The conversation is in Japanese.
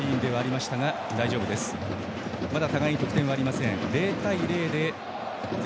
まだ互いに得点はありません